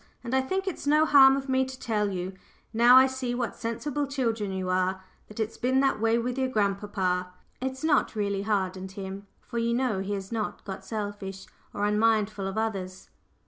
And I think it's no harm of me to tell you, now I see what sensible children you are, that it's been that way with your grandpapa. It's not really hardened him, for you know he has not got selfish or unmindful of others.